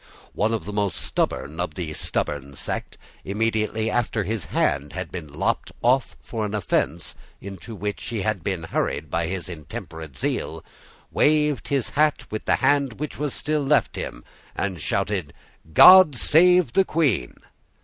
One of the most stubborn of the stubborn sect, immediately after his hand had been lopped off for an offence into which he had been hurried by his intemperate zeal, waved his hat with the hand which was still left him, and shouted "God save the Queen!"